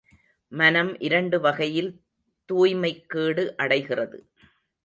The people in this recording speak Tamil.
மனம் இரண்டு வகையில் தூய்மைக் கேடு அடைகிறது.